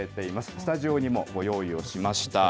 スタジオにもご用意をしました。